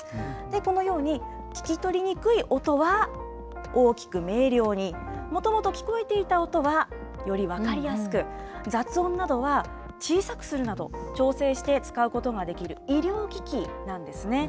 このように聞き取りにくい音は大きく明瞭に、もともと聞こえていた音はより分かりやすく、雑音などは小さくするなど、調整して使うことができる医療機器なんですね。